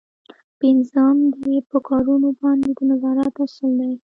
پنځم په کارونو باندې د نظارت اصل دی.